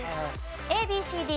ＡＢＣＤ